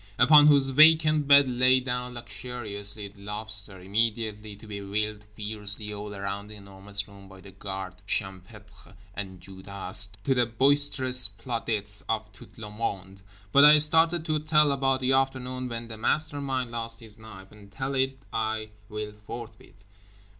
upon whose vacant bed lay down luxuriously the Lobster, immediately to be wheeled fiercely all around The Enormous Room by the Guard Champêtre and Judas, to the boisterous plaudits of tout le monde—but I started to tell about the afternoon when the master mind lost his knife; and tell it I will forthwith.